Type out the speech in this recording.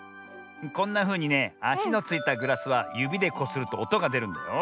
こんなふうにねあしのついたグラスはゆびでこするとおとがでるんだよ。